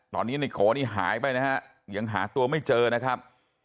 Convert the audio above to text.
ตอนนี้ในโกนี่หายไปนะฮะยังหาตัวไม่เจอนะครับ